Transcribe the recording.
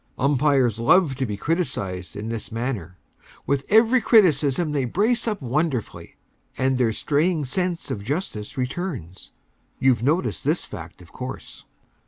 Umpires love to be criticised in this manner. With every criticism they brace up wonderfully, and their straying sense of justice returns. You've noticed this fact, of course.